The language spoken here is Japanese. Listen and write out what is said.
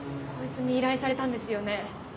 こいつに依頼されたんですよね？